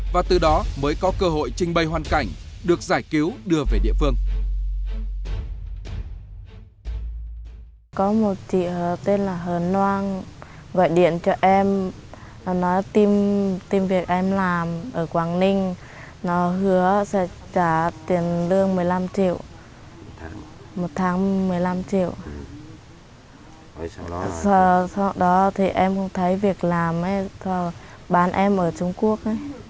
sau đó thì em không thấy việc làm bán em ở trung quốc